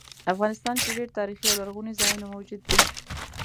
افغانستان کې ډیر تاریخي او لرغوني ځایونه موجود دي